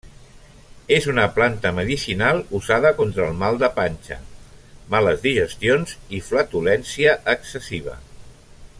És una planta medicinal usada contra el mal de panxa, males digestions i flatulència excessiva.